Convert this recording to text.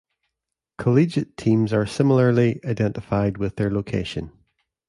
Collegiate teams are similarly identified with their location.